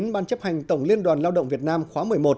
ban chấp hành tổng liên đoàn lao động việt nam khóa một mươi một